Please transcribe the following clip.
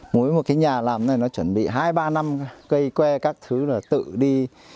mỗi một cái nhà làm này nó chuẩn bị hai ba năm cây que các thứ là tự đi